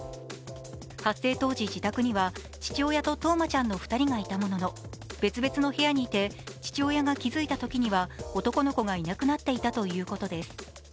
発生当時、自宅には父親と任真ちゃんの２人がいたものの、別々の部屋にいて父親が気づいたときには男の子がいなくなっていたということです。